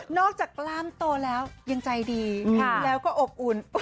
กล้ามโตแล้วยังใจดีแล้วก็อบอุ่น